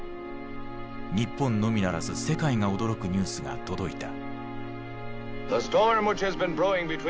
日本のみならず世界が驚くニュースが届いた。